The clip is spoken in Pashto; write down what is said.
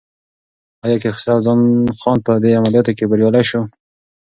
ایا کیخسرو خان په دې عملیاتو کې بریالی شو؟